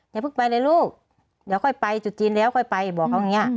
อย่าเพิ่งไปเลยลูกเดี๋ยวค่อยไปจุดจีนแล้วค่อยไปบอกเขาอย่างนี้